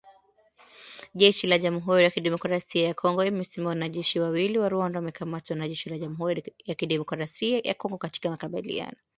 jeshi la Jamhuri ya Kidemokrasia ya Kongo imesema wanajeshi wawili wa Rwanda wamekamatwa na jeshi la Jamhuri ya Kidemokrasia ya Kongo katika makabiliano